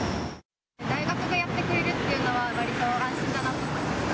大学がやってくれるっていうのは、わりと安心かなと思いました。